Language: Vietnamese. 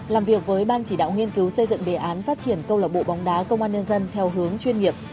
làm việc với ban chỉ đạo nghiên cứu xây dựng đề án phát triển câu lạc bộ bóng đá công an nhân dân theo hướng chuyên nghiệp